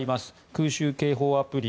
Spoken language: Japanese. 空襲警報アプリ。